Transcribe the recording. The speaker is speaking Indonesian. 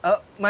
mas pur dimana